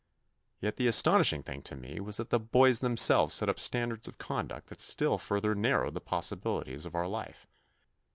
Yet the astonishing thing to me was that the boys themselves set up standards of conduct that still further narrowed the possibilities of our life.